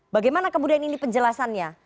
bagaimana kemudian ini penjelasannya